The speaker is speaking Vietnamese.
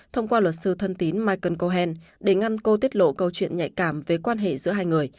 thông qua luật sư thân tín michael cohen để ngăn cô tiết lộ câu chuyện nhạy cảm về quan hệ giữa hai người